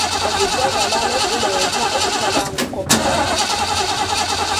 Obujjagalalo buleeta obutabanguko mu bantu.